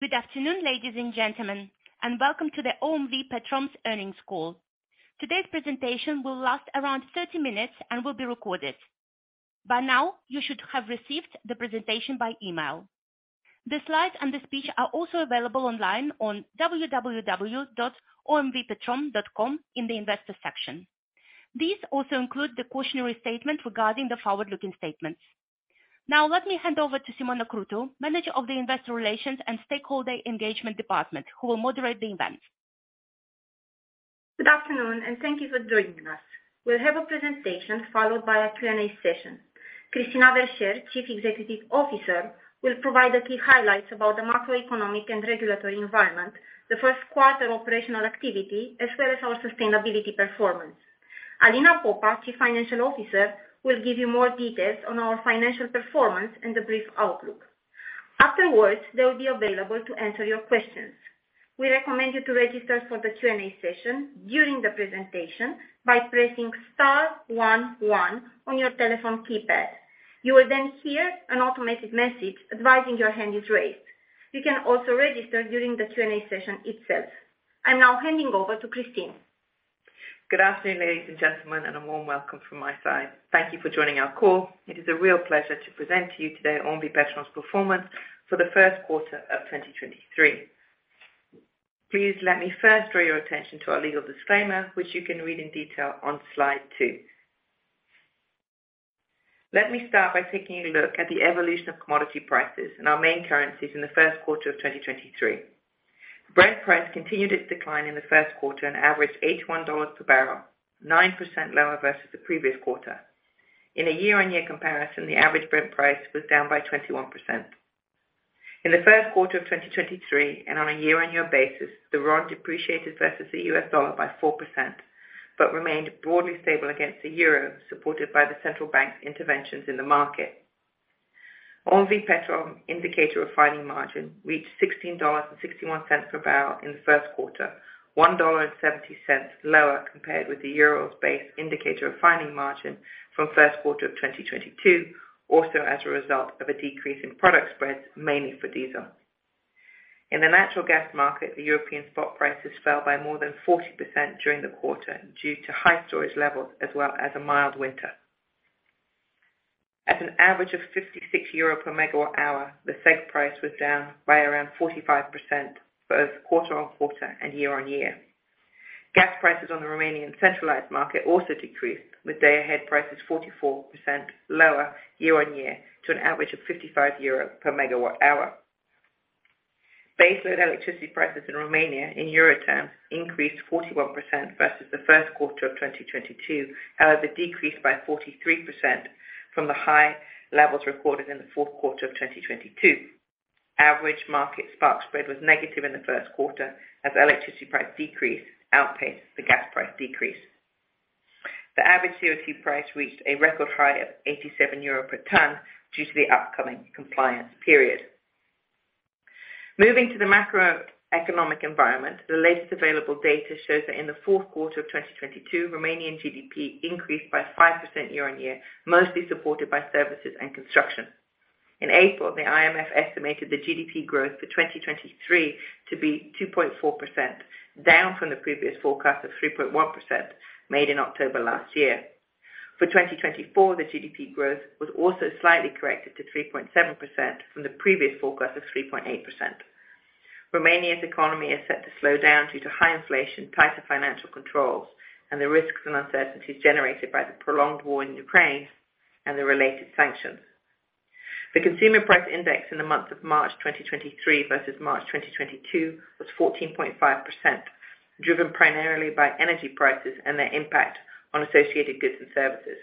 Good afternoon, ladies and gentlemen, and welcome to the OMV Petrom's Earnings Call. Today's presentation will last around 30 minutes and will be recorded. By now, you should have received the presentation by email. The slides and the speech are also available online on www.omvpetrom.com in the investor section. These also include the cautionary statement regarding the forward-looking statements. Let me hand over to Simona Crutu, Manager of the Investor Relations and Stakeholder Engagement Department, who will moderate the event. Good afternoon, and thank you for joining us. We'll have a presentation followed by a Q&A session. Christina Verchere, Chief Executive Officer, will provide the key highlights about the macroeconomic and regulatory environment, the first quarter operational activity, as well as our sustainability performance. Alina Popa, Chief Financial Officer, will give you more details on our financial performance and the brief outlook. Afterwards, they will be available to answer your questions. We recommend you to register for the Q&A session during the presentation by pressing star one one on your telephone keypad. You will then hear an automated message advising your hand is raised. You can also register during the Q&A session itself. I'm now handing over to Cristina. Good afternoon, ladies and gentlemen, and a warm welcome from my side. Thank you for joining our call. It is a real pleasure to present to you today OMV Petrom's performance for the first quarter of 2023. Please let me first draw your attention to our legal disclaimer, which you can read in detail on slide two. Let me start by taking a look at the evolution of commodity prices and our main currencies in the first quarter of 2023. Brent continued its decline in the first quarter and averaged $81 per barrel, 9% lower versus the previous quarter. In a year-on-year comparison, the average Brent was down by 21%. In the first quarter of 2023, on a year-on-year basis, the RON depreciated versus the US dollar by 4%, but remained broadly stable against the euro, supported by the National Bank of Romania interventions in the market. OMV Petrom indicator of refining margin reached $16.61 per barrel in the first quarter, $1.70 lower compared with the euro-based indicator of refining margin from first quarter of 2022, also as a result of a decrease in product spreads, mainly for diesel. In the natural gas market, the European spot prices fell by more than 40% during the quarter due to high storage levels as well as a mild winter. At an average of 56 euro per MWh, the SEEP price was down by around 45%, both quarter-on-quarter and year-on-year. Gas prices on the Romanian centralized market also decreased, with day-ahead prices 44% lower year-on-year to an average of 55 euro per MWh. Baseload electricity prices in Romania in euro terms increased 41% versus the first quarter of 2022, however, decreased by 43% from the high levels recorded in the fourth quarter of 2022. Average market spark spread was negative in the first quarter as electricity price decrease outpaced the gas price decrease. The average CO2 price reached a record high of 87 euro per ton due to the upcoming compliance period. Moving to the macroeconomic environment, the latest available data shows that in the fourth quarter of 2022, Romanian GDP increased by 5% year-on-year, mostly supported by services and construction. In April, the IMF estimated the GDP growth for 2023 to be 2.4%, down from the previous forecast of 3.1% made in October last year. For 2024, the GDP growth was also slightly corrected to 3.7% from the previous forecast of 3.8%. Romania's economy is set to slow down due to high inflation, tighter financial controls, and the risks and uncertainties generated by the prolonged war in Ukraine and the related sanctions. The Consumer Price Index in the months of March 2023 versus March 2022 was 14.5%, driven primarily by energy prices and their impact on associated goods and services.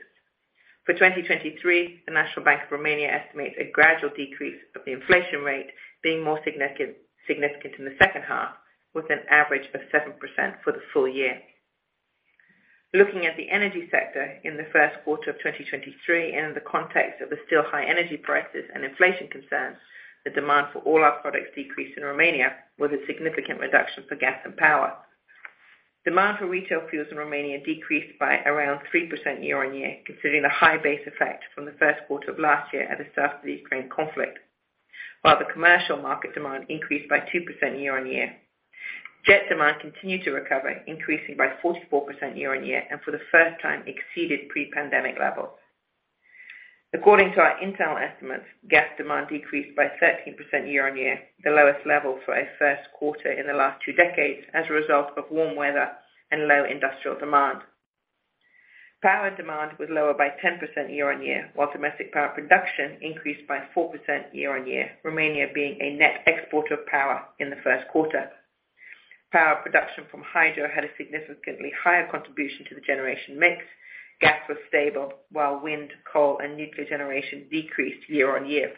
For 2023, the National Bank of Romania estimates a gradual decrease of the inflation rate being more significant in the second half, with an average of 7% for the full year. Looking at the energy sector in the first quarter of 2023, in the context of the still high energy prices and inflation concerns, the demand for all our products decreased in Romania, with a significant reduction for gas and power. Demand for retail fuels in Romania decreased by around 3% year-on-year, considering the high base effect from the first quarter of last year at the start of the Ukraine conflict. While the commercial market demand increased by 2% year-on-year. Jet demand continued to recover, increasing by 44% year-on-year, and for the first time exceeded pre-pandemic levels. According to our internal estimates, gas demand decreased by 13% year-on-year, the lowest level for a first quarter in the last two decades as a result of warm weather and low industrial demand. Power demand was lower by 10% year-on-year, while domestic power production increased by 4% year-on-year, Romania being a net exporter of power in the first quarter. Power production from hydro had a significantly higher contribution to the generation mix. Gas was stable while wind, coal, and nuclear generation decreased year-on-year. In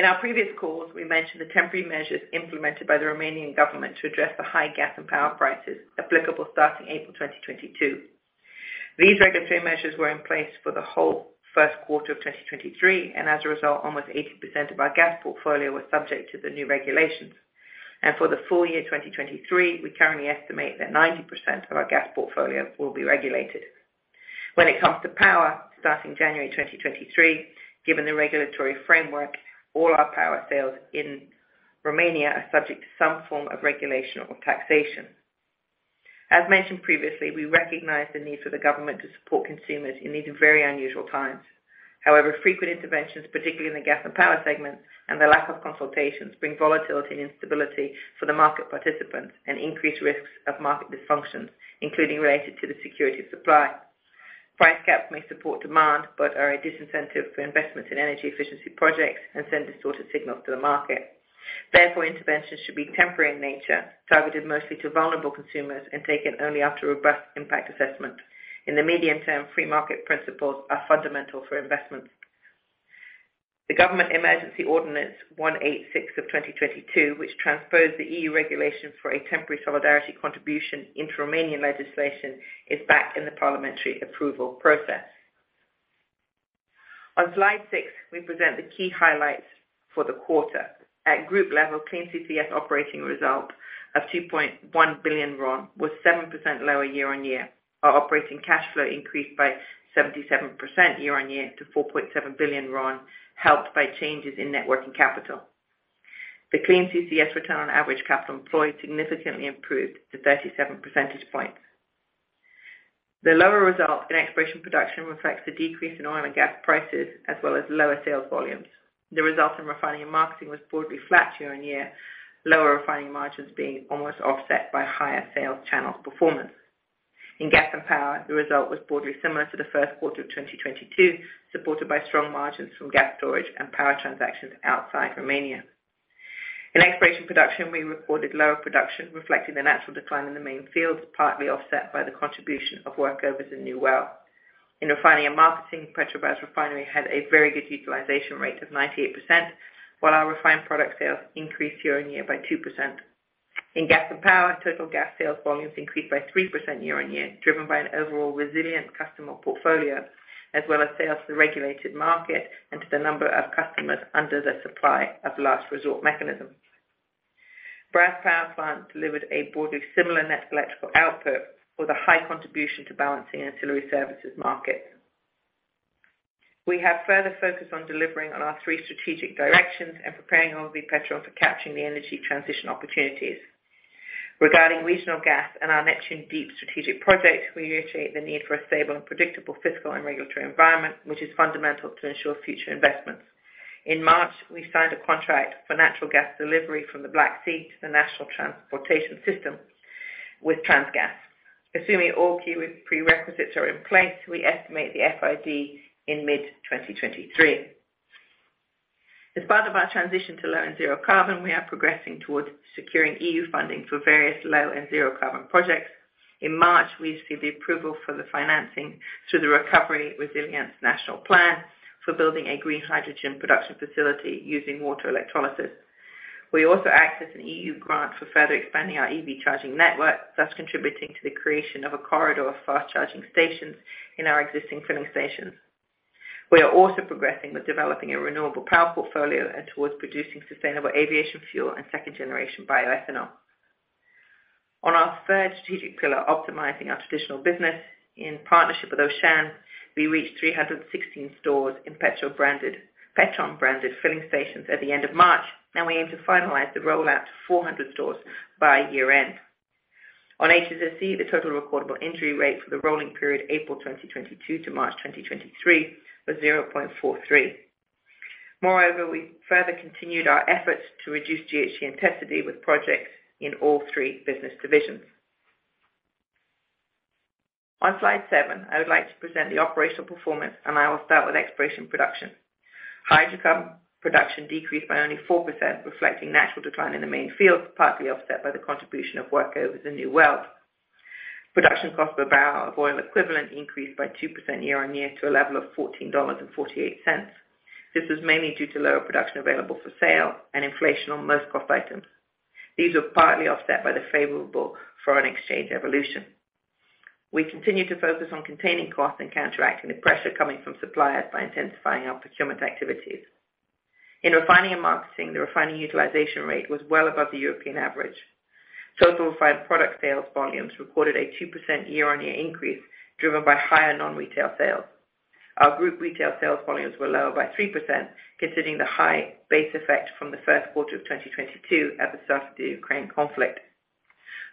our previous calls, we mentioned the temporary measures implemented by the Romanian government to address the high gas and power prices applicable starting April 2022. As a result, almost 80% of our gas portfolio was subject to the new regulations. For the full year 2023, we currently estimate that 90% of our gas portfolio will be regulated. When it comes to power, starting January 2023, given the regulatory framework, all our power sales in Romania are subject to some form of regulation or taxation. As mentioned previously, we recognize the need for the government to support consumers in these very unusual times. Frequent interventions, particularly in the gas and power segment and the lack of consultations, bring volatility and instability for the market participants and increased risks of market dysfunctions, including related to the security of supply. Price caps may support demand, but are a disincentive for investments in energy efficiency projects and send distorted signals to the market. Interventions should be temporary in nature, targeted mostly to vulnerable consumers, and taken only after a robust impact assessment. In the medium term, free market principles are fundamental for investments. The Government Emergency Ordinance no. 186/2022, which transposed the EU regulation for a temporary solidarity contribution into Romanian legislation, is back in the parliamentary approval process. On slide six, we present the key highlights for the quarter. At group level, Clean CCS Operating Result of RON 2.1 billion was 7% lower year-on-year. Our operating cash flow increased by 77% year-on-year to RON 4.7 billion, helped by changes in net working capital. The Clean CCS Return On Average Capital Employed significantly improved to 37 percentage points. The lower result in Exploration Production reflects the decrease in oil and gas prices, as well as lower sales volumes. The result in Refining and Marketing was broadly flat year-on-year. Lower refining margins being almost offset by higher sales channel performance. In Gas & Power, the result was broadly similar to the first quarter of 2022, supported by strong margins from gas storage and power transactions outside Romania. In Exploration & Production, we recorded lower production, reflecting the natural decline in the main fields, partly offset by the contribution of workovers in new well. In Refining & Marketing, Petrobrazi refinery had a very good utilization rate of 98%, while our refined product sales increased year-on-year by 2%. In Gas & Power, total gas sales volumes increased by 3% year-on-year, driven by an overall resilient customer portfolio, as well as sales to the regulated market and to the number of customers under the supply of last resort mechanism. Brazi Power Plant delivered a broadly similar net electrical output with a high contribution to balancing ancillary services market. We have further focused on delivering on our three strategic directions and preparing OMV Petrom for capturing the energy transition opportunities. Regarding regional gas and our Neptun Deep strategic projects, we reiterate the need for a stable and predictable fiscal and regulatory environment, which is fundamental to ensure future investments. In March, we signed a contract for natural gas delivery from the Black Sea to the national transportation system with Transgaz. Assuming all key prerequisites are in place, we estimate the FID in mid 2023. As part of our transition to low and zero carbon, we are progressing towards securing EU funding for various low and zero carbon projects. In March, we received the approval for the financing through the National Recovery and Resilience Plan for building a green hydrogen production facility using water electrolysis. We also act as an EU grant for further expanding our EV charging network, thus contributing to the creation of a corridor of fast-charging stations in our existing filling stations. We are also progressing with developing a renewable power portfolio and towards producing sustainable aviation fuel and second-generation bioethanol. On our third strategic pillar, optimizing our traditional business, in partnership with Auchan, we reached 316 stores in Petrom-branded, Petrom-branded filling stations at the end of March, and we aim to finalize the rollout to 400 stores by year-end. On HSSE, the total recordable injury rate for the rolling period April 2022-March 2023 was 0.43. Moreover, we further continued our efforts to reduce GHG intensity with projects in all three business divisions. On slide seven, I would like to present the operational performance, and I will start with exploration production. Hydrocarbon production decreased by only 4%, reflecting natural decline in the main fields, partly offset by the contribution of workovers in new wells. Production cost per barrel of oil equivalent increased by 2% year-on-year to a level of $14.48. This was mainly due to lower production available for sale and inflation on most cost items. These were partly offset by the favorable foreign exchange evolution. We continue to focus on containing costs and counteracting the pressure coming from suppliers by intensifying our procurement activities. In refining and marketing, the refining utilization rate was well above the European average. Total refined product sales volumes recorded a 2% year-on-year increase, driven by higher non-retail sales. Our group retail sales volumes were lower by 3%, considering the high base effect from the first quarter of 2022 at the start of the Ukraine conflict.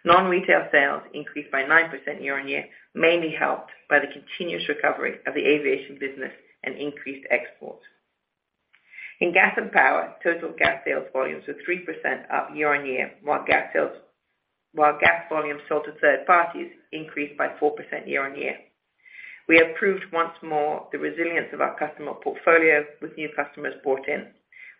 Non-retail sales increased by 9% year-on-year, mainly helped by the continuous recovery of the aviation business and increased exports. In Gas & Power, total gas sales volumes were 3% up year-on-year, while gas volumes sold to third parties increased by 4% year-on-year. We have proved once more the resilience of our customer portfolio with new customers brought in.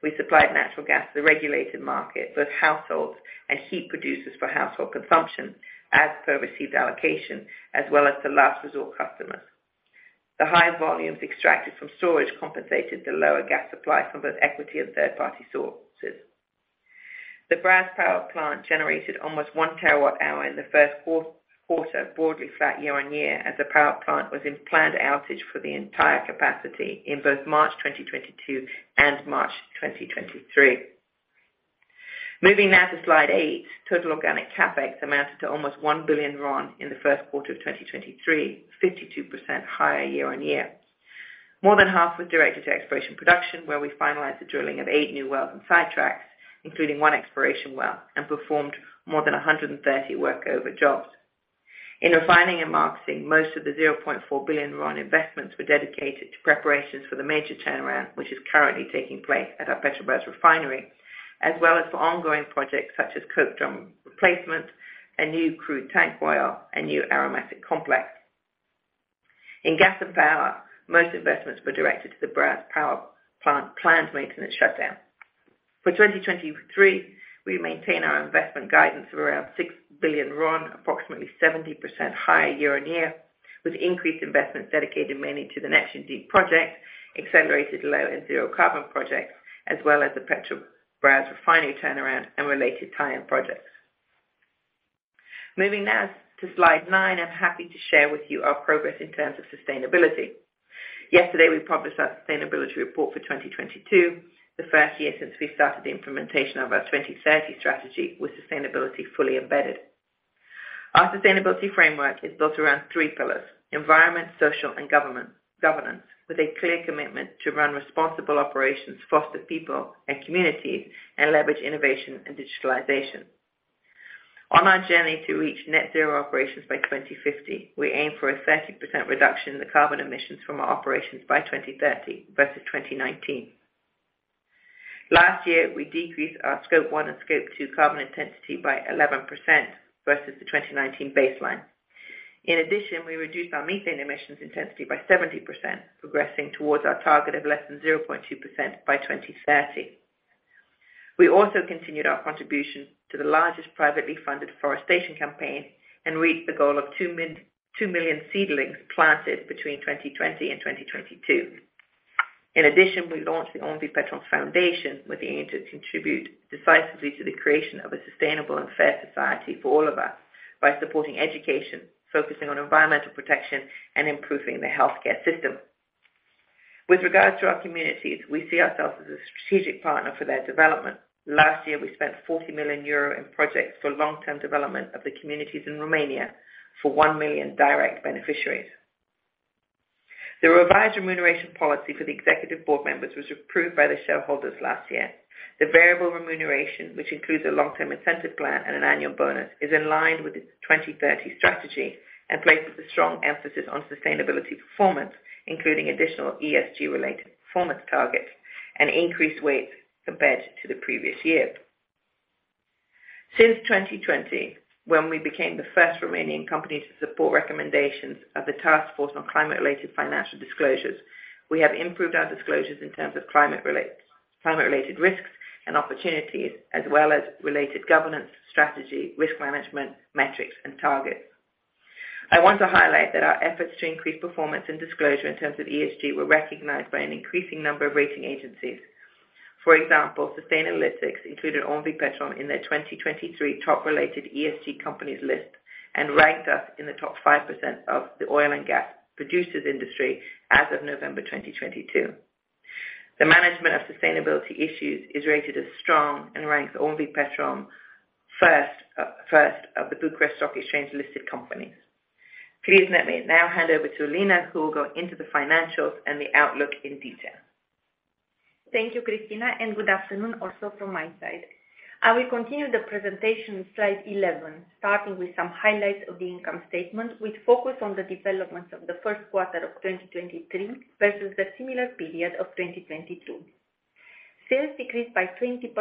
We supplied natural gas to the regulated market, both households and heat producers for household consumption, as per received allocation, as well as to last resort customers. The higher volumes extracted from storage compensated the lower gas supply from both equity and third-party sources. The Brazi Power Plant generated almost 1 TWh in the first quarter, broadly flat year-on-year, as the power plant was in planned outage for the entire capacity in both March 2022 and March 2023. Moving now to slide eight. Total organic CapEx amounted to almost RON 1 billion in the first quarter of 2023, 52% higher year-on-year. More than half was directed to exploration production, where we finalized the drilling of eight new wells and sidetracks, including one exploration well and performed more than 130 workover jobs. In refining and marketing, most of the RON 0.4 billion investments were dedicated to preparations for the major turnaround, which is currently taking place at our Petrobrazi refinery, as well as for ongoing projects such as coke drum replacement and new crude tank oil and new aromatic complex. In Gas & Power, most investments were directed to the Brazi Power Plant planned maintenance shutdown. For 2023, we maintain our investment guidance of around RON 6 billion, approximately 70% higher year-on-year, with increased investments dedicated mainly to the Net Zero project, accelerated low and zero carbon projects, as well as the Petrobrazi refinery turnaround and related tie-in projects. Moving now to slide nine, I'm happy to share with you our progress in terms of sustainability. Yesterday, we published our sustainability report for 2022, the first year since we started the implementation of our 2030 Strategy with sustainability fully embedded. Our sustainability framework is built around three pillars environment, social and governance, with a clear commitment to run responsible operations, foster people and communities, and leverage innovation and digitalization. On our journey to reach Net Zero operations by 2050, we aim for a 30% reduction in the carbon emissions from our operations by 2030 versus 2019. Last year, we decreased our Scope 1 and Scope 2 carbon intensity by 11% versus the 2019 baseline. In addition, we reduced our methane emissions intensity by 70%, progressing towards our target of less than 0.2% by 2030. We also continued our contribution to the largest privately funded forestation campaign and reached the goal of 2 million seedlings planted between 2020 and 2022. In addition, we launched the OMV Petrom Foundation with the aim to contribute decisively to the creation of a sustainable and fair society for all of us by supporting education, focusing on environmental protection, and improving the healthcare system. With regards to our communities, we see ourselves as a strategic partner for their development. Last year, we spent 40 million euro in projects for long-term development of the communities in Romania for 1 million direct beneficiaries. The revised remuneration policy for the executive board members was approved by the shareholders last year. The variable remuneration, which includes a long-term incentive plan and an annual bonus, is in line with the 2030 Strategy and places a strong emphasis on sustainability performance, including additional ESG-related performance targets and increased weights compared to the previous year. Since 2020, when we became the first Romanian company to support recommendations of the Task Force on Climate-related Financial Disclosures, we have improved our disclosures in terms of climate related risks and opportunities, as well as related governance strategy, risk management, metrics and targets. I want to highlight that our efforts to increase performance and disclosure in terms of ESG were recognized by an increasing number of rating agencies. For example, Sustainalytics included OMV Petrom in their 2023 Top-Rated ESG list and ranked us in the top 5% of the oil and gas producers industry as of November 2022. The management of sustainability issues is rated as strong and ranks OMV Petrom first of the Bucharest Stock Exchange-listed companies. Please let me now hand over to Alina Popa, who will go into the financials and the outlook in detail. Thank you, Christina, and good afternoon also from my side. I will continue the presentation on slide 11, starting with some highlights of the income statement, with focus on the developments of the first quarter of 2023 versus the similar period of 2022. Sales decreased by 20%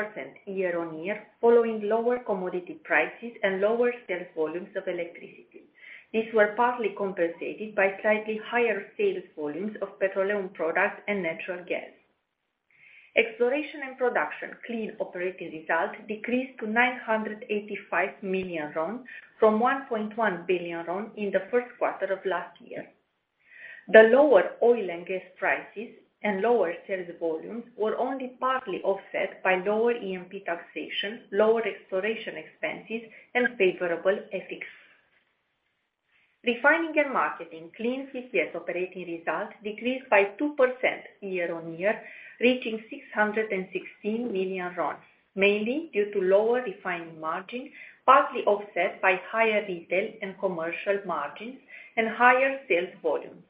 year-on-year, following lower commodity prices and lower sales volumes of electricity. These were partly compensated by slightly higher sales volumes of petroleum products and natural gas. Exploration and production clean operating results decreased to RON 985 million from RON 1.1 billion in the first quarter of last year. The lower oil and gas prices and lower sales volumes were only partly offset by lower EMP taxation, lower exploration expenses, and favorable FX. Refining and Marketing Clean CCS Operating Results decreased by 2% year-on-year, reaching RON 616 million, mainly due to lower refining margins, partly offset by higher retail and commercial margins and higher sales volumes.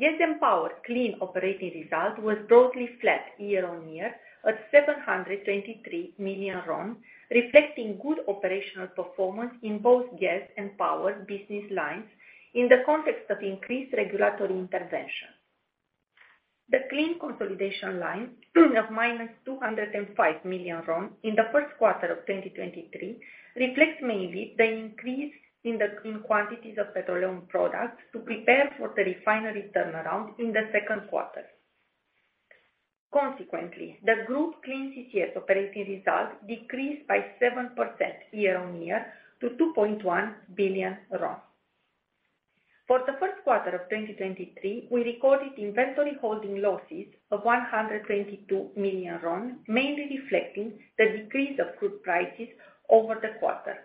Gas & Power clean operating results was broadly flat year-on-year at RON 723 million, reflecting good operational performance in both Gas & Power business lines in the context of increased regulatory intervention. The clean consolidation line of minus RON 205 million in the first quarter of 2023 reflects mainly the increase in the quantities of petroleum products to prepare for the refinery turnaround in the second quarter. The group Clean CCS Operating Results decreased by 7% year-on-year to RON 2.1 billion. For the first quarter of 2023, we recorded inventory holding losses of RON 122 million, mainly reflecting the decrease of crude prices over the quarter.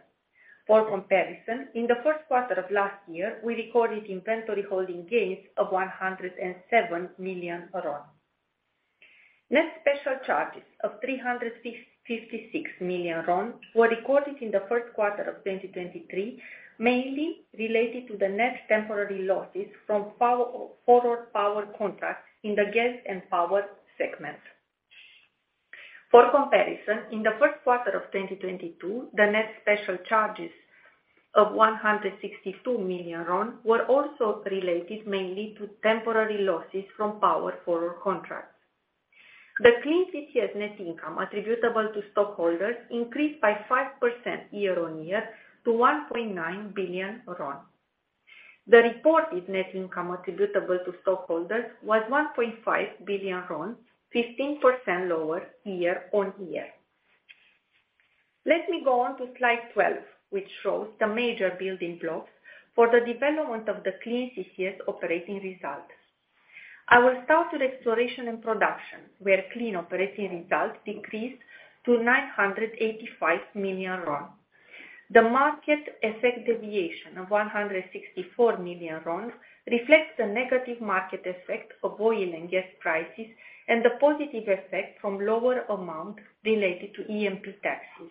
For comparison, in the first quarter of last year, we recorded inventory holding gains of RON 107 million. Net special charges of RON 356 million were recorded in the first quarter of 2023, mainly related to the net temporary losses from forward power contracts in the gas and power segments. For comparison, in the first quarter of 2022, the net special charges of RON 162 million were also related mainly to temporary losses from power forward contracts. The Clean CCS net income attributable to stockholders increased by 5% year-on-year to RON 1.9 billion. The reported net income attributable to stockholders was RON 1.5 billion, 15% lower year-on-year. Let me go on to slide 12, which shows the major building blocks for the development of the Clean CCS Operating Result. I will start with exploration and production, where clean operating results decreased to RON 985 million. The market effect deviation of RON 164 million reflects the negative market effect of oil and gas prices and the positive effect from lower amount related to EMP taxes.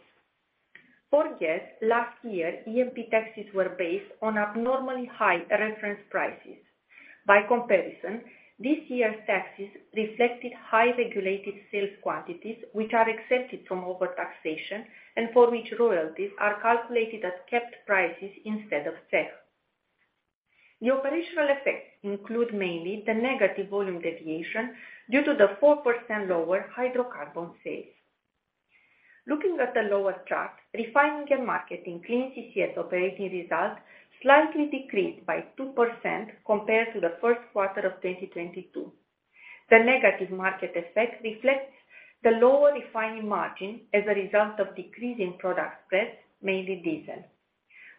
For gas, last year, EMP taxes were based on abnormally high reference prices. By comparison, this year's taxes reflected high regulated sales quantities, which are accepted from overtaxation and for which royalties are calculated at kept prices instead of set. The operational effects include mainly the negative volume deviation due to the 4% lower hydrocarbon sales. Looking at the lower chart, Refining and Marketing Clean CCS Operating Result slightly decreased by 2% compared to the first quarter of 2022. The negative market effect reflects the lower refining margin as a result of decreasing product spreads, mainly diesel.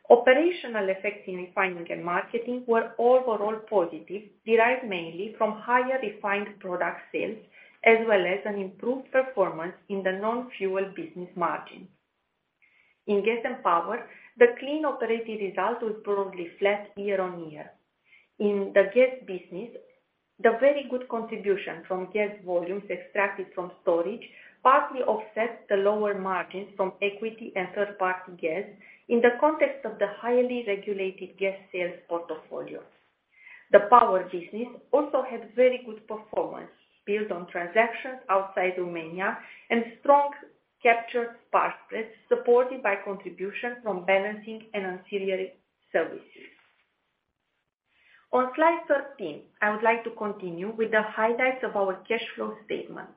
Operational effects in Refining and Marketing were overall positive, derived mainly from higher refined product sales, as well as an improved performance in the non-fuel business margin. In Gas & Power, the clean operating result was broadly flat year-on-year. In the gas business, the very good contribution from gas volumes extracted from storage partly offsets the lower margins from equity and third-party gas in the context of the highly regulated gas sales portfolio. The power business also had very good performance built on transactions outside Romania and strong captured power spreads, supported by contributions from balancing and ancillary services. On slide 13, I would like to continue with the highlights of our cash flow statement.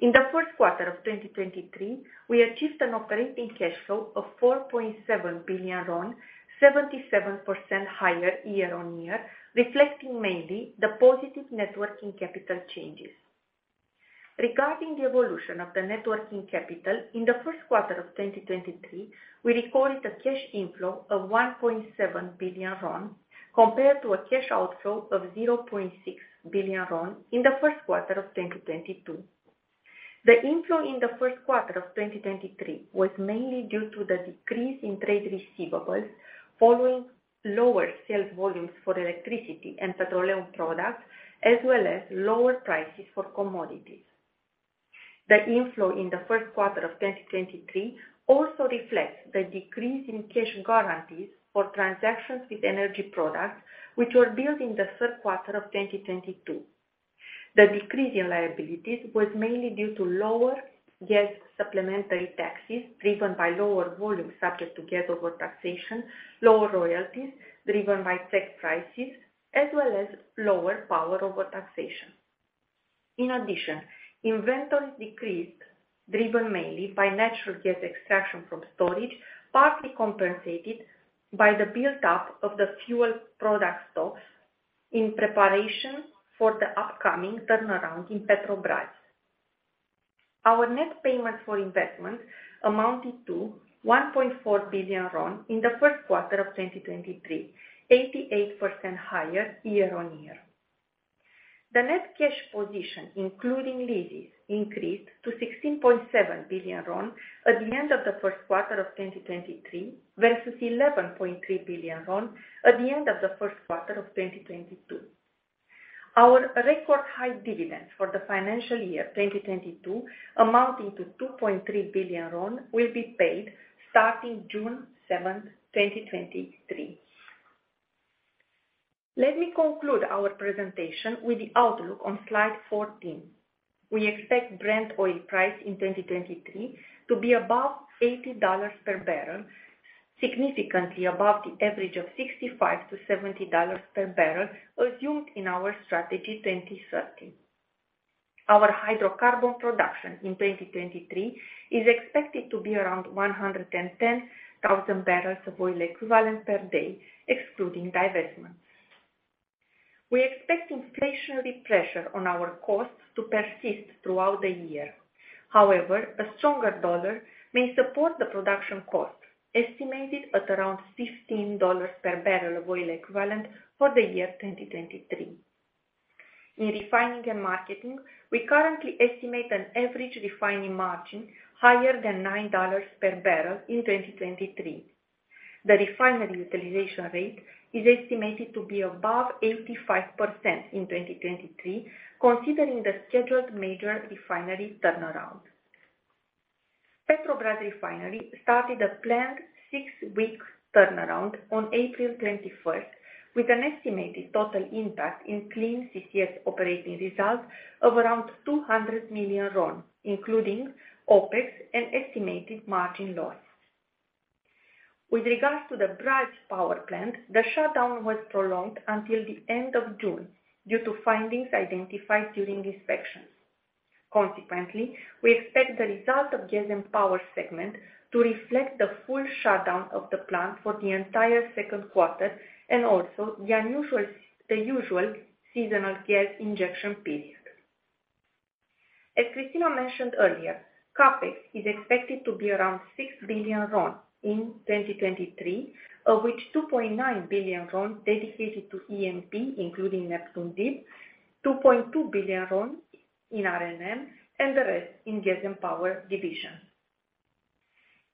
In the first quarter of 2023, we achieved an operating cash flow of RON 4.7 billion, 77% higher year-on-year, reflecting mainly the positive net working capital changes. Regarding the evolution of the net working capital, in the first quarter of 2023, we recorded a cash inflow of RON 1.7 billion compared to a cash outflow of RON 0.6 billion in the first quarter of 2022. The inflow in the first quarter of 2023 was mainly due to the decrease in trade receivables following lower sales volumes for electricity and petroleum products, as well as lower prices for commodities. The inflow in the first quarter of 2023 also reflects the decrease in cash guarantees for transactions with energy products, which were built in the third quarter of 2022. The decrease in liabilities was mainly due to lower gas supplementary taxes driven by lower volumes subject to gas overtaxation, lower royalties driven by tax prices, as well as lower power overtaxation. In addition, inventory decreased, driven mainly by natural gas extraction from storage, partly compensated by the buildup of the fuel product stocks in preparation for the upcoming turnaround in Petrobrazi. Our net payment for investment amounted to RON 1.4 billion in the first quarter of 2023, 88% higher year-on-year. The net cash position, including leases, increased to RON 16.7 billion at the end of the first quarter of 2023 versus RON 11.3 billion at the end of the first quarter of 2022. Our record high dividends for the financial year 2022 amounting to RON 2.3 billion will be paid starting June 7, 2023. Let me conclude our presentation with the outlook on slide 14. We expect Brent price in 2023 to be above $80 per barrel, significantly above the average of $65-$70 per barrel assumed in our Strategy 2030. Our hydrocarbon production in 2023 is expected to be around 110,000 barrels of oil equivalent per day, excluding divestments. We expect inflationary pressure on our costs to persist throughout the year. However, a stronger dollar may support the production cost, estimated at around $15 per barrel of oil equivalent for the year 2023. In refining and marketing, we currently estimate an average refining margin higher than $9 per barrel in 2023. The refinery utilization rate is estimated to be above 85% in 2023, considering the scheduled major refinery turnaround. Petrobrazi refinery started a planned six-week turnaround on April 21st, with an estimated total impact in Clean CCS Operating Result of around RON 200 million, including OpEx and estimated margin loss. With regards to the Brazi Power Plant, the shutdown was prolonged until the end of June due to findings identified during inspections. Consequently, we expect the result of Gas & Power segment to reflect the full shutdown of the plant for the entire second quarter and also the usual seasonal gas injection period. As Christina mentioned earlier, CapEx is expected to be around RON 6 billion in 2023, of which RON 2.9 billion dedicated to EMP, including Neptun Deep, RON 2.2 billion in R&M, and the rest in Gas & Power division.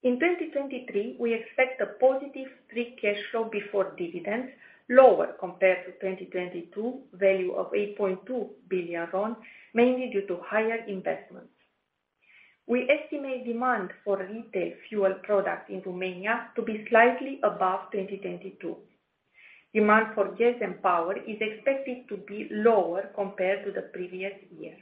In 2023, we expect a positive free cash flow before dividends lower compared to 2022 value of RON 8.2 billion, mainly due to higher investments. We estimate demand for retail fuel products in Romania to be slightly above 2022. Demand for Gas & Power is expected to be lower compared to the previous year.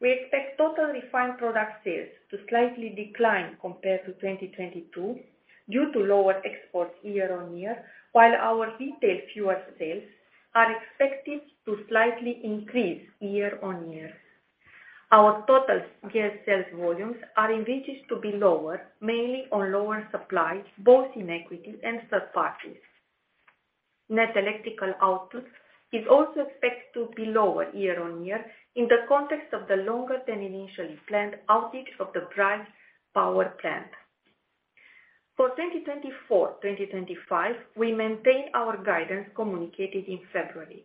We expect total refined product sales to slightly decline compared to 2022 due to lower exports year-on-year, while our retail fuel sales are expected to slightly increase year-on-year. Our total gas sales volumes are envisaged to be lower, mainly on lower supply, both in equity and third parties. Net electrical output is also expected to be lower year-on-year in the context of the longer than initially planned outage of the Brazi Power Plant. For 2024, 2025, we maintain our guidance communicated in February.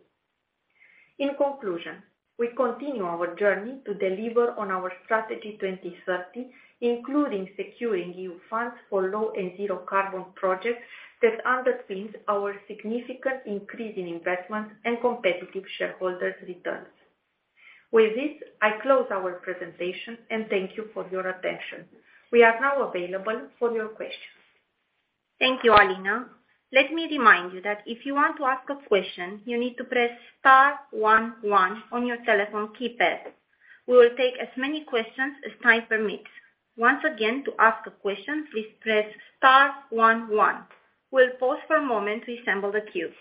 In conclusion, we continue our journey to deliver on our Strategy 2030, including securing EU funds for low and zero carbon projects that underpins our significant increase in investment and competitive shareholders returns. With this, I close our presentation and thank you for your attention. We are now available for your questions. Thank you, Alina. Let me remind you that if you want to ask a question, you need to press star one one on your telephone keypad. We will take as many questions as time permits. Once again, to ask a question, please press star one one. We'll pause for a moment to assemble the queue.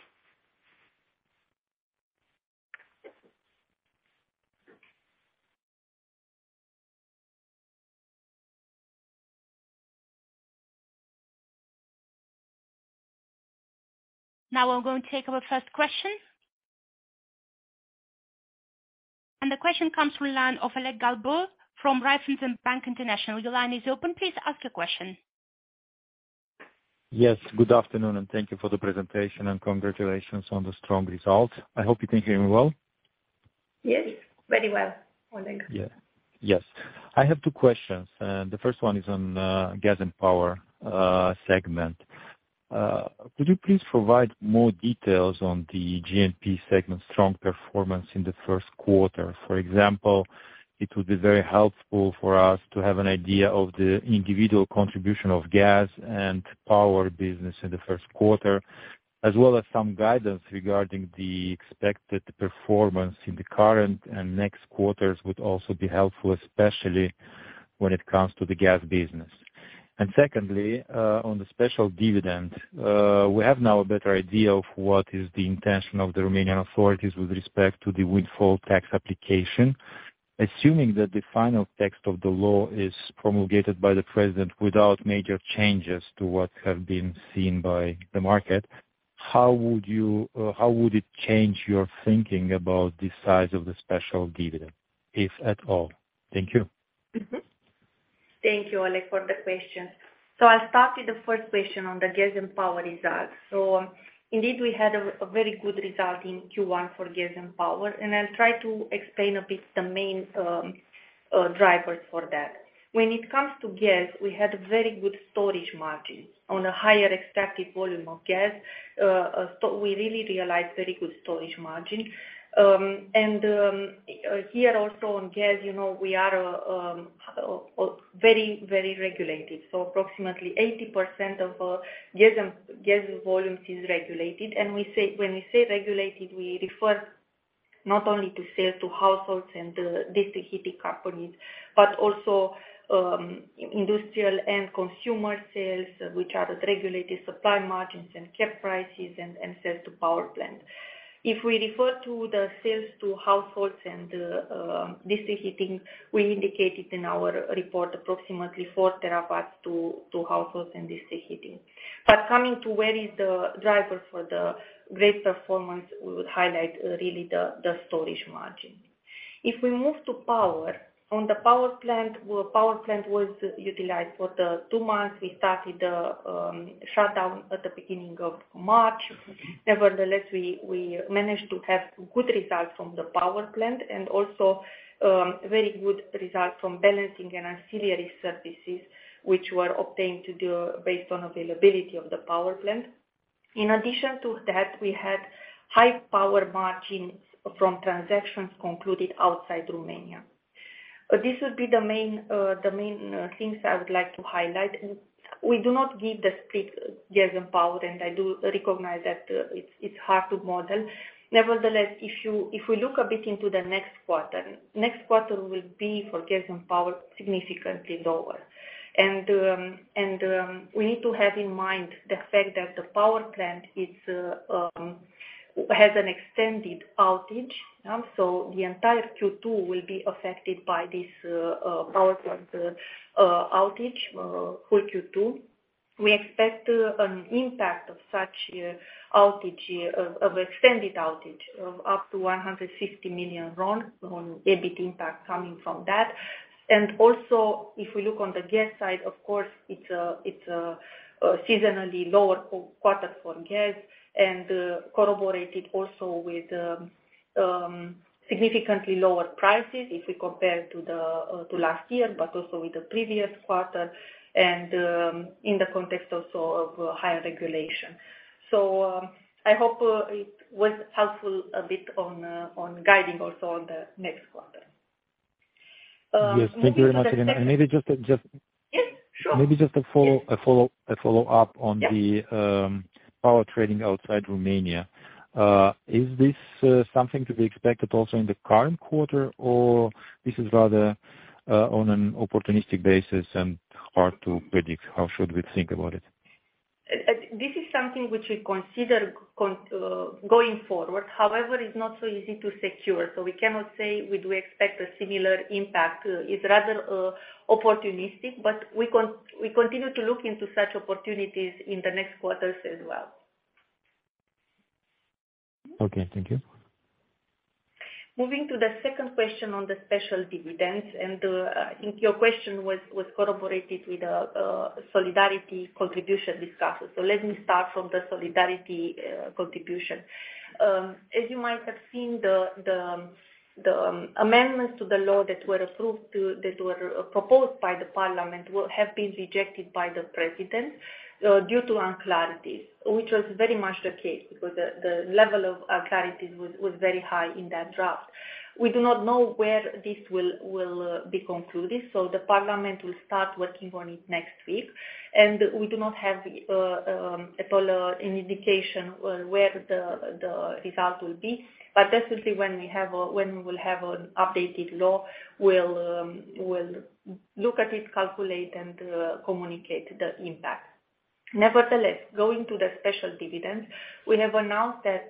I'm going to take our first question. The question comes from the line of Oleg Galbur from Raiffeisen Bank International. Your line is open. Please ask your question. Yes, good afternoon, and thank you for the presentation, and congratulations on the strong results. I hope you can hear me well. Yes, very well. Oleg. Yes. I have two questions. The first one is on Gas & Power segment. Could you please provide more details on the G&P segment's strong performance in the first quarter? For example, it would be very helpful for us to have an idea of the individual contribution of gas and power business in the first quarter, as well as some guidance regarding the expected performance in the current and next quarters would also be helpful, especially when it comes to the gas business. Secondly, on the special dividend, we have now a better idea of what is the intention of the Romanian authorities with respect to the windfall tax application. Assuming that the final text of the law is promulgated by the president without major changes to what have been seen by the market, how would you... How would it change your thinking about the size of the special dividend, if at all? Thank you. Thank you, Oleg, for the question. I'll start with the first question on the gas and power results. Indeed, we had a very good result in Q1 for gas and power, and I'll try to explain a bit the main drivers for that. When it comes to gas, we had very good storage margins on a higher extracted volume of gas. We really realized very good storage margin. Here also on gas, you know, we are very regulated. Approximately 80% of gas volumes is regulated. When we say regulated, we refer not only to sales to households and district heating companies, but also industrial and consumer sales, which are at regulated supply margins and cap prices and sales to power plant. If we refer to the sales to households and district heating, we indicated in our report approximately 4 TW to households and district heating. Coming to where is the driver for the great performance, we would highlight really the storage margin. If we move to power, on the power plant, power plant was utilized for the two months. We started the shutdown at the beginning of March. Nevertheless, we managed to have good results from the power plant and also very good results from balancing and ancillary services which were obtained to do based on availability of the power plant. In addition to that, we had high power margins from transactions concluded outside Romania. This would be the main things I would like to highlight. We do not give the split Gas & Power, and I do recognize that it's hard to model. Nevertheless, if we look a bit into the next quarter, next quarter will be for Gas & Power, significantly lower. We need to have in mind the fact that the Brazi Power Plant is has an extended outage, so the entire Q2 will be affected by this Brazi Power Plant outage whole Q2. We expect an impact of such outage of extended outage of up to RON 150 million on EBIT impact coming from that. If we look on the gas side, of course, it's a seasonally lower quarter for gas and corroborated also with significantly lower prices if we compare to last year, but also with the previous quarter and in the context also of higher regulation. I hope it was helpful a bit on guiding also on the next quarter. Yes, thank you very much again. maybe just. Yes, sure. Maybe just a follow-up on the-. Yeah. power trading outside Romania. Is this something to be expected also in the current quarter, or this is rather on an opportunistic basis and hard to predict? How should we think about it? This is something which we consider going forward. It's not so easy to secure. We cannot say we do expect a similar impact. It's rather opportunistic, but we continue to look into such opportunities in the next quarters as well. Okay, thank you. Moving to the second question on the special dividends, I think your question was corroborated with solidarity contribution discussions. Let me start from the solidarity contribution. As you might have seen, the amendments to the law that were proposed by the parliament have been rejected by the president due to unclarities, which was very much the case because the level of unclarities was very high in that draft. We do not know where this will be concluded, the parliament will start working on it next week, we do not have at all an indication on where the result will be. Definitely when we will have an updated law, we'll look at it, calculate, and communicate the impact. Nevertheless, going to the special dividends, we have announced that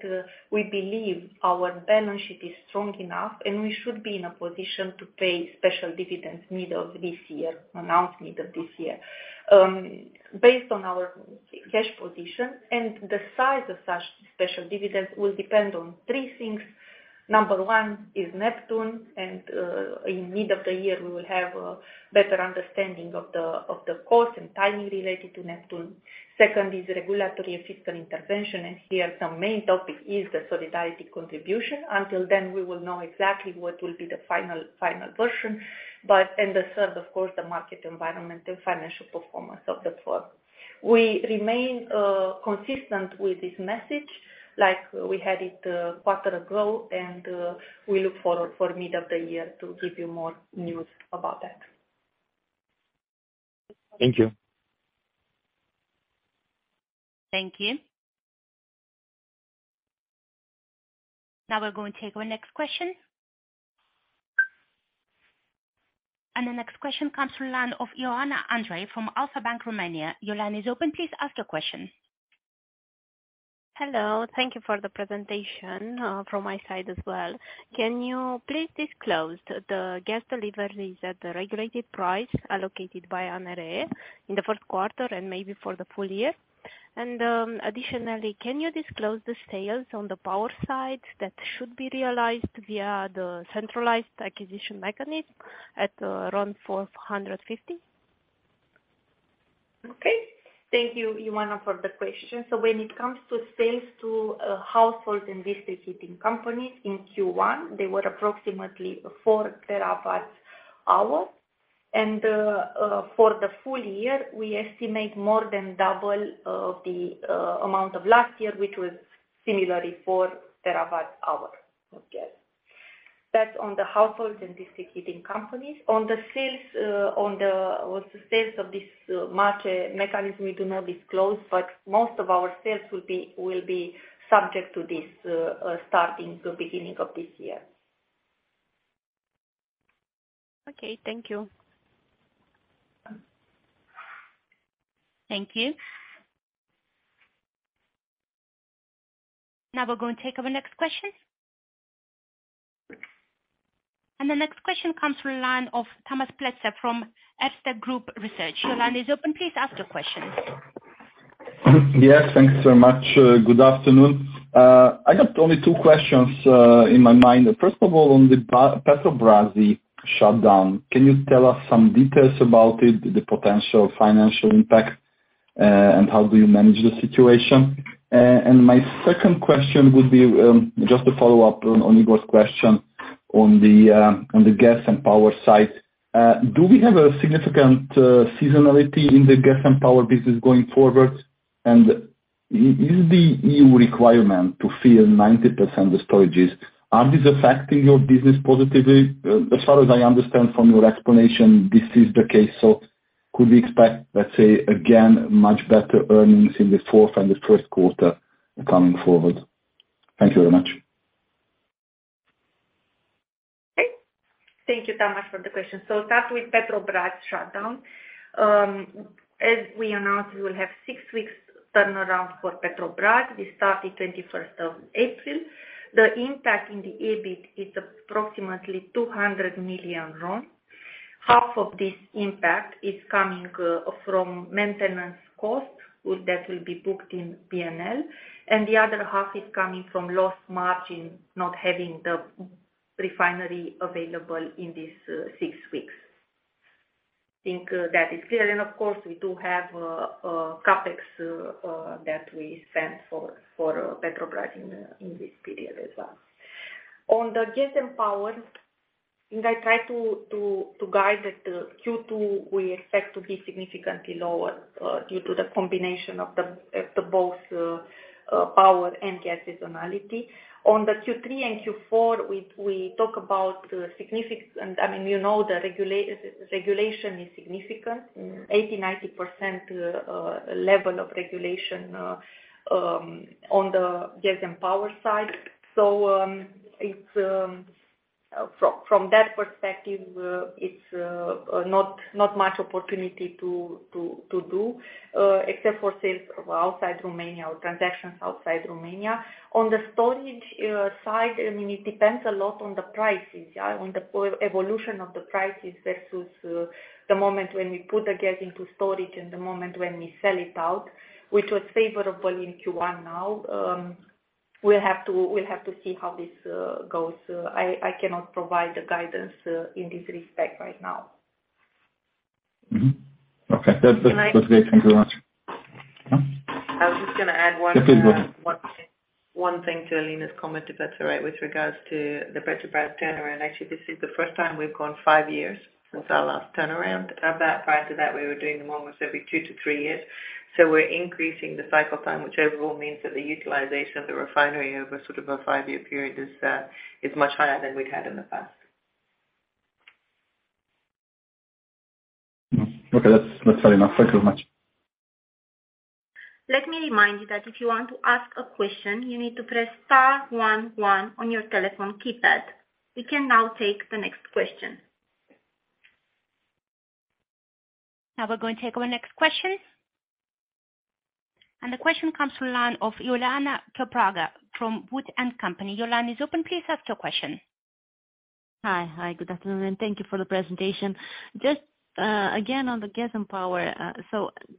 we believe our balance sheet is strong enough, and we should be in a position to pay special dividends mid of this year, announced mid of this year. Based on our cash position and the size of such special dividends will depend on three things. Number one is Neptun, in mid of the year, we will have a better understanding of the cost and timing related to Neptun. Second is regulatory and fiscal intervention, here the main topic is the solidarity contribution. Until then, we will know exactly what will be the final version, and the third, of course, the market environment and financial performance of the group. We remain consistent with this message like we had it quarter ago, and we look forward for mid of the year to give you more news about that. Thank you. Thank you. Now we're going to take our next question. The next question comes from line of Ioana Andrei from Alpha Bank Romania. Your line is open. Please ask your question. Hello. Thank you for the presentation, from my side as well. Can you please disclose the gas deliveries at the regulated price allocated by ANRE in the first quarter and maybe for the full year? Additionally, can you disclose the sales on the power side that should be realized via the centralized acquisition mechanism at RON 450? Okay. Thank you, Ioana, for the question. When it comes to sales to households and district heating companies in Q1, they were approximately 4 TWh. For the full year, we estimate more than double the amount of last year, which was similarly 4 TWh of gas. That's on the households and district heating companies. On the sales with the sales of this market mechanism, we do not disclose, but most of our sales will be subject to this starting the beginning of this year. Okay, thank you. Thank you. Now we're going to take our next question. The next question comes from line of Tamas Pletser from Erste Group Research. Your line is open. Please ask your question. Yes. Thanks very much. Good afternoon. I got only two questions in my mind. First of all, on the Petrobrazi shutdown, can you tell us some details about it, the potential financial impact, and how do you manage the situation? My second question would be just a follow-up on Igor's question on the gas and power side. Do we have a significant seasonality in the gas and power business going forward? And is the new requirement to fill 90% of the storages, are these affecting your business positively? As far as I understand from your explanation, this is the case. Could we expect, let's say again, much better earnings in the fourth and the first quarter coming forward? Thank you very much. Thank you, Tamar, for the question. Start with Petrobrazi shutdown. As we announced, we will have six weeks turnaround for Petrobrazi. We started 21st of April. The impact in the EBIT is approximately RON 200 million. Half of this impact is coming from maintenance costs that will be booked in P&L, and the other half is coming from lost margin not having the refinery available in this six weeks. Think that is clear. Of course, we do have CapEx that we spent for Petrobrazi in this period as well. On the Gas & Power, I try to guide that Q2 we expect to be significantly lower due to the combination of the both power and gas seasonality. On the Q3 and Q4, we talk about, I mean you know the regulation is significant. 80%-90% level of regulation on the gas and power side. It's from that perspective, it's not much opportunity to do except for sales outside Romania or transactions outside Romania. On the storage side, I mean, it depends a lot on the prices, yeah? On the evolution of the prices versus the moment when we put the gas into storage and the moment when we sell it out, which was favorable in Q1 now. We'll have to see how this goes. I cannot provide the guidance in this respect right now. Mm-hmm. Okay. That was great. Thank you very much. Can I... Yeah. I was just gonna add one thing to Alina's comment, if that's all right. With regards to the Petrobrazi turnaround, actually this is the first time we've gone five years since our last turnaround. Prior to that, we were doing them almost every 2-3 years. We're increasing the cycle time, which overall means that the utilization of the refinery over sort of a five-year period is much higher than we've had in the past. Okay. That's fair enough. Thank you very much. Let me remind you that if you want to ask a question you need to press star one one on your telephone keypad. We can now take the next question. Now we're going to take our next question. The question comes to line of Iuliana Ciopraga from WOOD & Company. Your line is open. Please ask your question. Hi. Good afternoon, thank you for the presentation. Just again on the Gas & Power.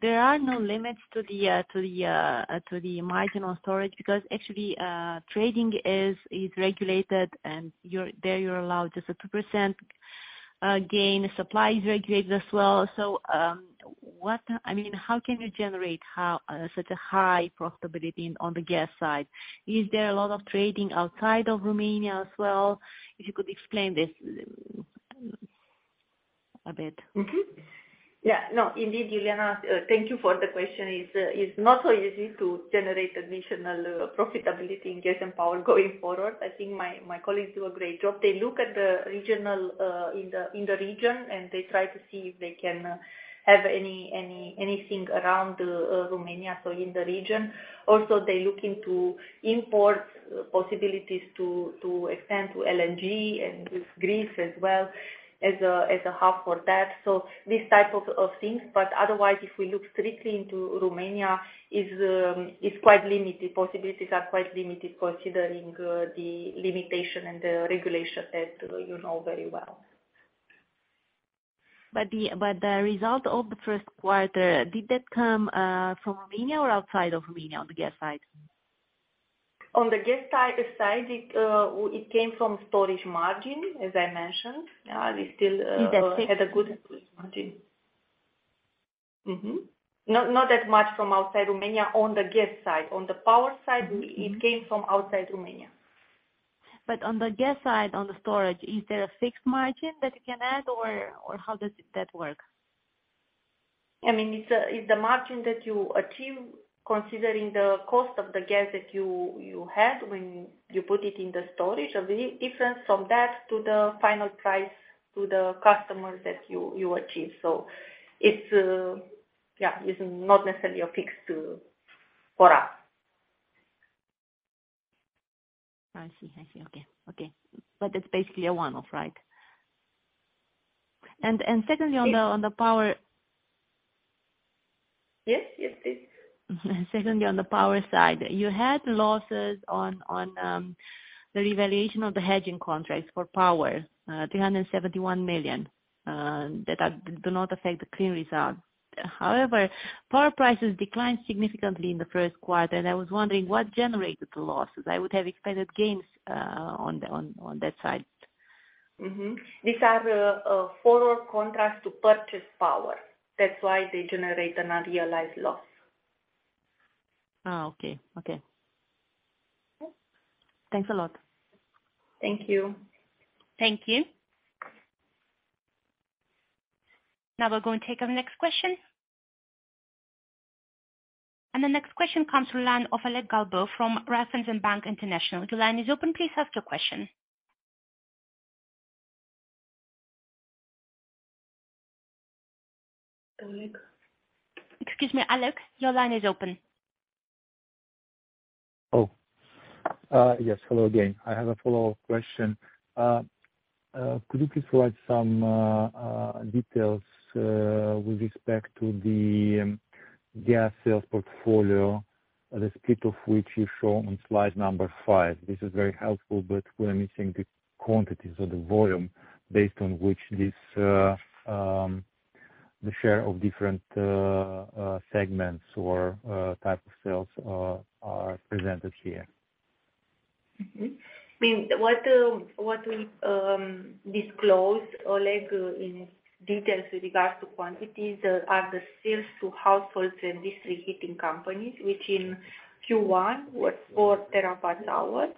There are no limits to the to the to the margin on storage because actually trading is regulated and there you're allowed just a 2% gain. Supply is regulated as well. What, I mean, how can you generate how such a high profitability on the gas side? Is there a lot of trading outside of Romania as well? If you could explain this a bit. Yeah. Indeed, Iuliana, thank you for the question. It's not so easy to generate additional profitability in Gas & Power going forward. I think my colleagues do a great job. They look at the regional in the region, and they try to see if they can have anything around Romania, so in the region. Also they look into import possibilities to expand to LNG and with Greece as well as a hub for that. These type of things. Otherwise, if we look strictly into Romania is quite limited. Possibilities are quite limited considering the limitation and the regulation that you know very well. The result of the first quarter, did that come from Romania or outside of Romania on the gas side? On the gas side, it came from storage margin, as I mentioned. We still. Is that six- Had a good margin. Mm-hmm. Not that much from outside Romania on the gas side. On the power side. Mm-hmm. It came from outside Romania. On the gas side, on the storage, is there a fixed margin that you can add or how does that work? I mean, it's the margin that you achieve considering the cost of the gas that you had when you put it in the storage. The difference from that to the final price to the customers that you achieve. It's, yeah, it's not necessarily a fixed for us. I see. I see. Okay. Okay. It's basically a one-off, right? Secondly on the- Yes. On the power... Yes. Yes, please. Secondly, on the power side, you had losses on the revaluation of the hedging contracts for power, 371 million. That do not affect the Clean Result. However, power prices declined significantly in the first quarter. I was wondering what generated the losses. I would have expected gains on that side. These are forward contracts to purchase power. That's why they generate an unrealized loss. Oh, okay. Okay. Okay. Thanks a lot. Thank you. Thank you. Now we'll go and take our next question. The next question comes from line of Oleg Galbo from Raiffeisen Bank International. Your line is open. Please ask your question. Oleg. Excuse me, Oleg, your line is open. Oh, yes. Hello again. I have a follow-up question. Could you please provide some details with respect to the gas sales portfolio, the split of which you show on slide number five? This is very helpful, but we're missing the quantities or the volume based on which this, the share of different segments or type of sales are presented here. I mean, what we disclose, Oleg, in details with regards to quantities are the sales to households and district heating companies, which in Q1 were 4 TWh.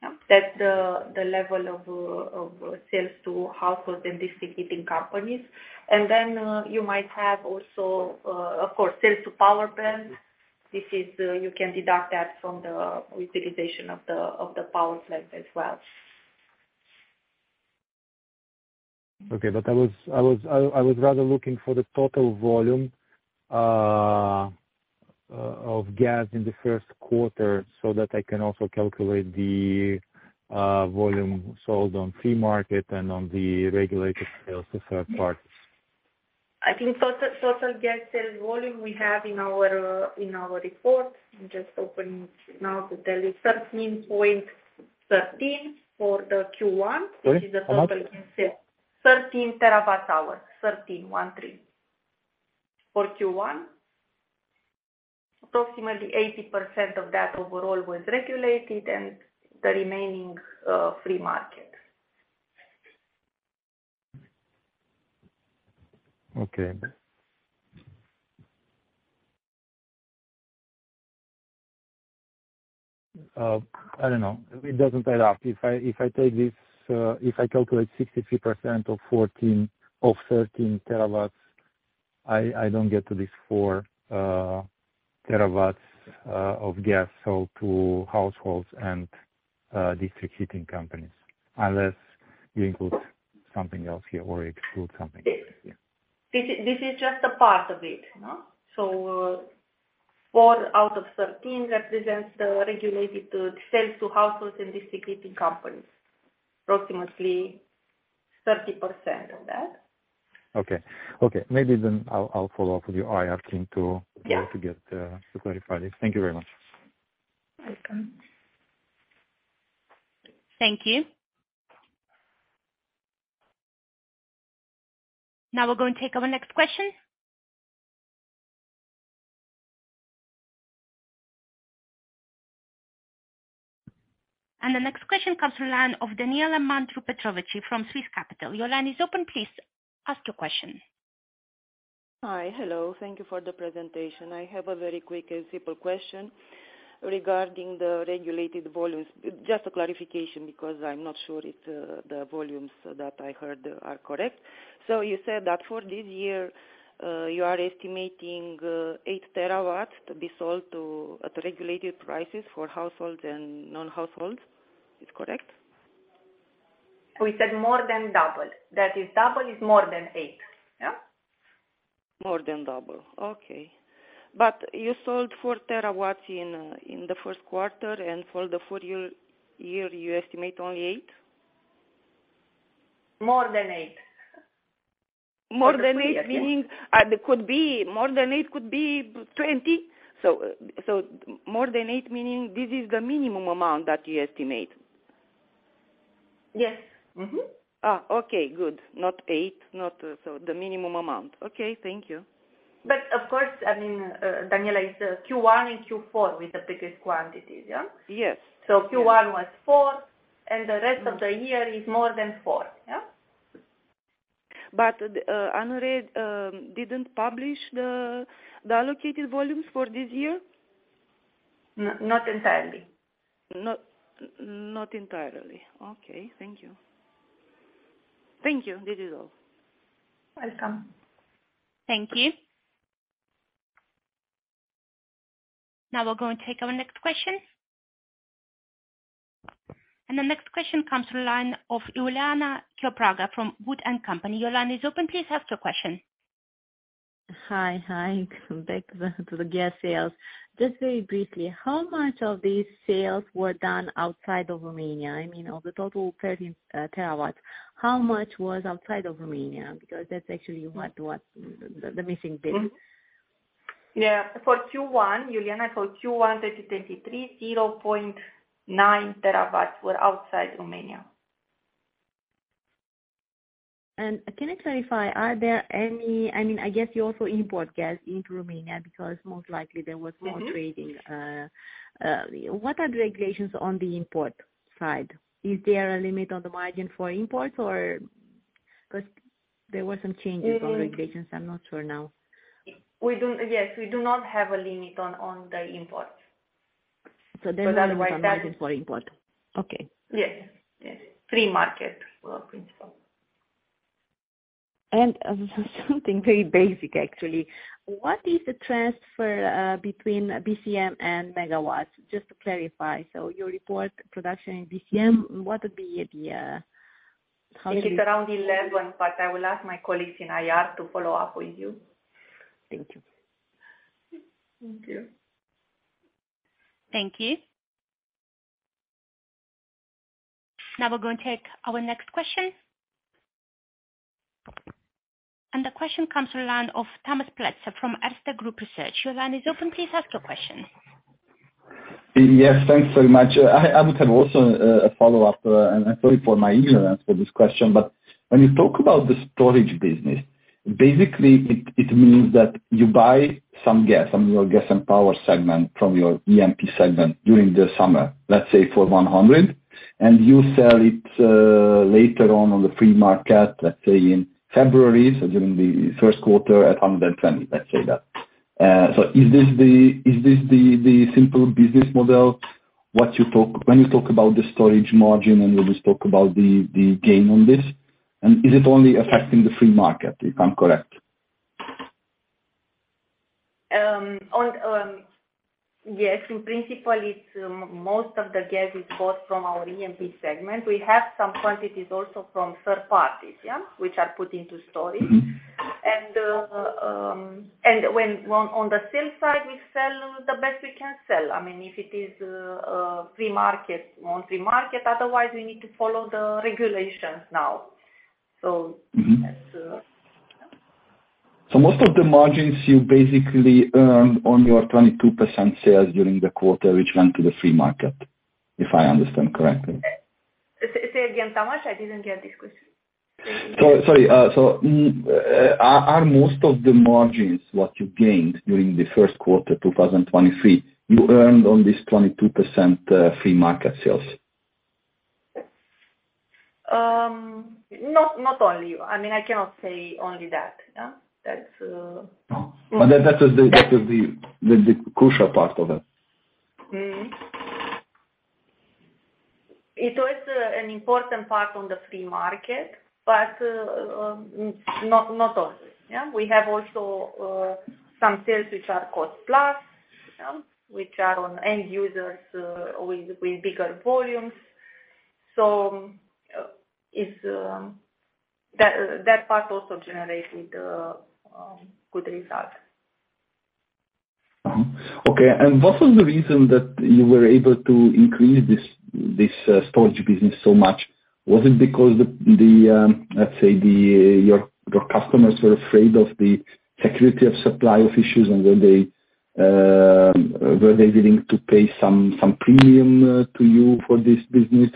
Yeah. That's the level of sales to households and district heating companies. You might have also, of course, sales to power plants. This is, you can deduct that from the utilization of the power plant as well. Okay. I was rather looking for the total volume of gas in the first quarter so that I can also calculate the volume sold on free market and on the regulated sales to third parties. I think total gas sales volume we have in our in our report. I'm just opening it now to tell you. 13.13 for the Q1. Sorry, how much? Which is the total in sales. 13 TWh. 13, 1 3 for Q1. Approximately 80% of that overall was regulated and the remaining free market. Okay. I don't know. It doesn't add up. If I take this, if I calculate 63% of 14TW, of 13 TW, I don't get to this 4 TW, of gas sold to households and, district heating companies, unless you include something else here or exclude something else here. This is just a part of it. No. four out of 13 represents the regulated sales to households and district heating companies, approximately 30% of that. Okay. Maybe then I'll follow up with you or IR team to- Yeah. To get to clarify this. Thank you very much. Welcome. Thank you. Now we'll go and take our next question. The next question comes to line of Daniela Mandru Petrovici from Swiss Capital. Your line is open. Please ask your question. Hi. Hello. Thank you for the presentation. I have a very quick and simple question regarding the regulated volumes. Just a clarification because I'm not sure if the volumes that I heard are correct. You said that for this year, you are estimating 8 TW to be sold to, at regulated prices for households and non-households. Is correct? We said more than double. That is double is more than eight. Yeah. More than double. Okay. You sold 4 TW in the first quarter and for the full year, you estimate only eight? More than eight. More than eight- For the full year, yeah. Meaning, there could be more than eight, could be 20. More than eight meaning this is the minimum amount that you estimate? Yes. Mm-hmm. Okay, good. Not eight, so the minimum amount. Okay, thank you. Of course, I mean, Daniela, it's Q1 and Q4 with the biggest quantities, yeah? Yes. Q1 was 4, and the rest of the year is more than 4, yeah? ANRE didn't publish the allocated volumes for this year? not entirely. Not entirely. Okay, thank you. Thank you. This is all. Welcome. Thank you. Now we're going to take our next question. The next question comes through line of Iuliana Chiopραγă from WOOD & Company. Your line is open. Please ask your question. Hi. Hi. Back to the gas sales. Just very briefly, how much of these sales were done outside of Romania? I mean, of the total 13 TW, how much was outside of Romania? Because that's actually the missing bit. For Q1, Iuliana, for Q1 2023, 0.9 TW were outside Romania. Can I clarify, are there any... I mean, I guess you also import gas into Romania because most likely... Mm-hmm. more trading. What are the regulations on the import side? Is there a limit on the margin for imports or? 'Cause there were some changes- Mm-hmm. on regulations. I'm not sure now. Yes, we do not have a limit on the imports. there is- Otherwise. No limit on margin for import. Okay. Yes. Yes. Free market principle. Something very basic actually. What is the transfer between BCM and megawatts? Just to clarify. You report production in BCM, what would be the. It is around 11, but I will ask my colleagues in IR to follow up with you. Thank you. Thank you. Thank you. Now we're going to take our next question. The question comes from the line of Tamas Pletser from Erste Group Research. Your line is open. Please ask your question. Yes, thanks very much. I would have also a follow-up. I'm sorry for my ignorance for this question, but when you talk about the storage business, basically it means that you buy some gas from your Gas & Power segment, from your EMP segment during the summer, let's say for 100, and you sell it later on on the free market, let's say in February, so during the first quarter at 120. Let's say that. Is this the simple business model, what you talk about the storage margin and you always talk about the gain on this? Is it only affecting the free market, if I'm correct? In principle, it's most of the gas is bought from our EMP segment. We have some quantities also from third parties, which are put into storage. Mm-hmm. When on the sales side, we sell the best we can sell. I mean, if it is, free market on free market, otherwise we need to follow the regulations now. Mm-hmm. That's. Most of the margins you basically earned on your 22% sales during the quarter, which went to the free market, if I understand correctly? Say again, Tamas. I didn't get this question. Sorry. Are most of the margins, what you gained during the first quarter, 2023, you earned on this 22% free market sales? Not, not only. I mean, I cannot say only that. Yeah. That's That is the crucial part of it. It was an important part on the free market, but not only. Yeah. We have also some sales which are cost plus, which are on end users, with bigger volumes. Is that that part also generated good results. Okay. What was the reason that you were able to increase this storage business so much? Was it because the, let's say the, your customers were afraid of the security of supply issues and were they willing to pay some premium to you for this business?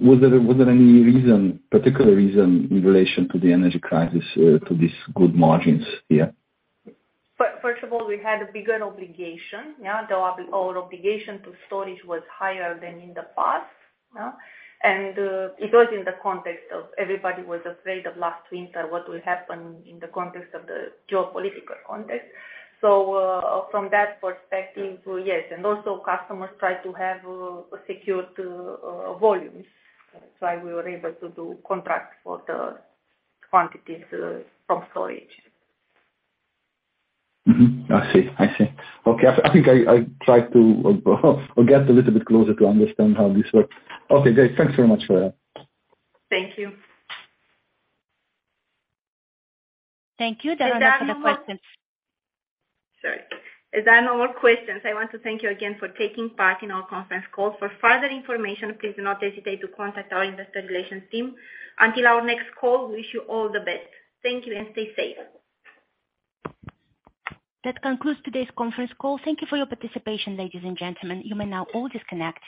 Was there any reason, particular reason in relation to the energy crisis to these good margins here? First of all, we had a bigger obligation. Yeah. Our obligation to storage was higher than in the past. Yeah. It was in the context of everybody was afraid of last winter, what will happen in the context of the geopolitical context. From that perspective, yes. Also customers try to have secured volumes. That's why we were able to do contracts for the quantities from storage. I see. I see. Okay. I think I tried to get a little bit closer to understand how this works. Okay, great. Thanks very much for that. Thank you. Thank you. There are no more questions. Sorry. As there are no more questions, I want to thank you again for taking part in our conference call. For further information, please do not hesitate to contact our investor relations team. Until our next call, wish you all the best. Thank you, and stay safe. That concludes today's confe rence call. Thank you for your participation, ladies and gentlemen. You may now all disconnect.